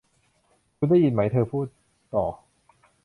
'คุณได้ยินไหม' เธอพูดต่อ